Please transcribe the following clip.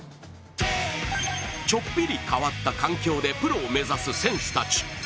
ちょっぴり変わった環境でプロを目指す選手たち。